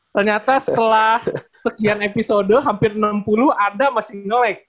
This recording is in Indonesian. ternyata setelah sekian episode hampir enam puluh ada masih nolek